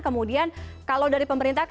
kemudian kalau dari pemerintah